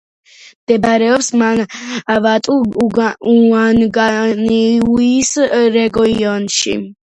მდებარეობს მანავატუ-უანგანუის რეგიონში.